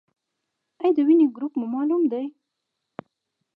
ایا د وینې ګروپ مو معلوم دی؟